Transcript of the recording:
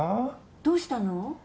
どうしたの？